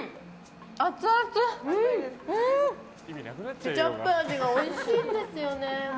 ケチャップ味がおいしいんですよね。